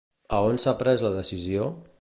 A on s'ha pres la decisió?